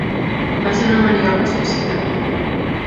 Va ser una maniobra suïcida.